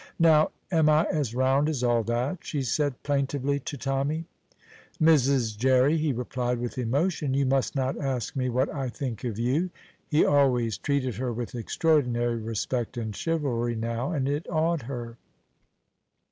"Now, am I as round as all that?" she said plaintively to Tommy. "Mrs. Jerry," he replied, with emotion, "you must not ask me what I think of you." He always treated her with extraordinary respect and chivalry now, and it awed her.